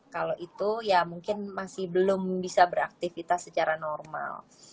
kalau itu ya mungkin masih belum bisa beraktivitas secara normal